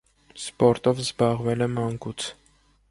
Սպորտով զբաղվել է մանկուց։